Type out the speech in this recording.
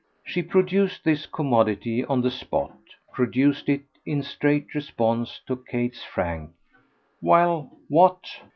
She produced this commodity on the spot produced it in straight response to Kate's frank "Well, what?"